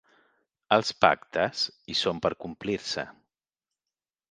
Els pactes, hi són per complir-se.